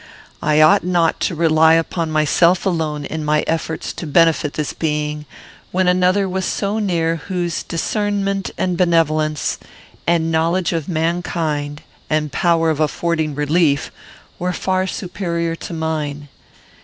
I ought not to rely upon myself alone in my efforts to benefit this being, when another was so near whose discernment and benevolence, and knowledge of mankind, and power of affording relief, were far superior to mine.